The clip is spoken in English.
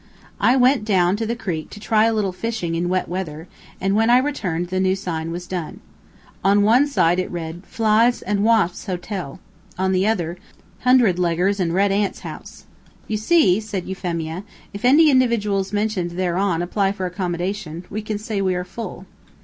I went down to the creek to try a little fishing in wet weather, and when I returned the new sign was done. On one side it read: FLIES' AND WASPS' HOTEL. On the other: HUNDRED LEGGERS' AND RED ANTS' HOUSE. "You see," said euphemia, "if any individuals mentioned thereon apply for accommodation, we can say we are full."